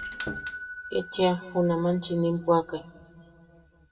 Ketchia junaman chiʼinim puakai.